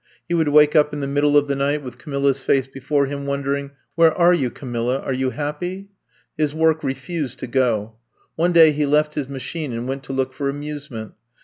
He would wake up in the middle of the night with Ca milla 's face before him, wondering :Where are you, Camilla! Are you happy? '^ His work refused to go. One day he left his machine and went to look for amuse ment.